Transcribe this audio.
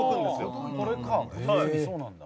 小包そうなんだ。